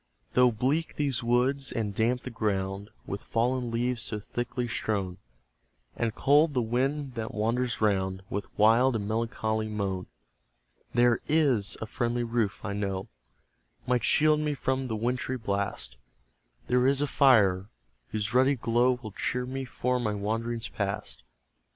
Though bleak these woods, and damp the ground, With fallen leaves so thickly strewn, And cold the wind that wanders round With wild and melancholy moan; There is a friendly roof I know, Might shield me from the wintry blast; There is a fire whose ruddy glow Will cheer me for my wanderings past.